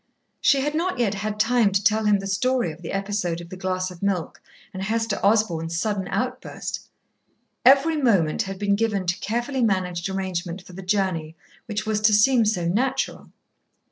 She had not yet had time to tell him the story of the episode of the glass of milk and Hester Osborn's sudden outburst. Every moment had been given to carefully managed arrangement for the journey which was to seem so natural.